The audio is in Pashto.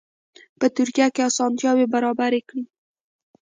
په ترکیه کې اسانتیاوې برابرې کړي.